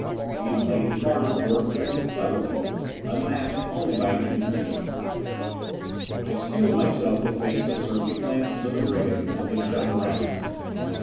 She had played the part of George Prince cleverly, unmasked only by an evil chance. I steeled myself to face the searching glances of the brigands as they shoved around us.